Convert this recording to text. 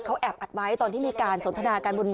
เขาแอบอัดไว้ตอนที่มีการสนทนากันบน